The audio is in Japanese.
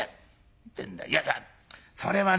いやいやそれはね